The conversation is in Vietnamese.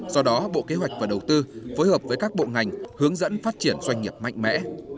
do đó bộ kế hoạch và đầu tư phối hợp với các bộ ngành hướng dẫn phát triển doanh nghiệp mạnh mẽ